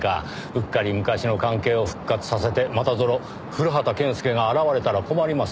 うっかり昔の関係を復活させてまたぞろ古畑健介が現れたら困ります。